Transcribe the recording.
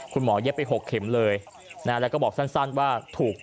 คุณหมอเย็บไป๖เข็มเลยแล้วก็บอกสั้นว่าถูก